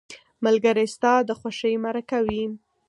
ملګری ستا د خوښۍ مرکه وي